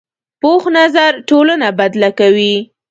پوخ نظر ټولنه بدله کوي